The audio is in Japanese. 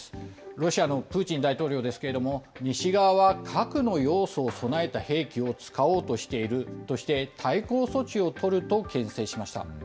ロシアのプーチン大統領ですけれども、西側は核の要素を備えた兵器を使おうとしているとして、対抗措置を取るとけん制しました。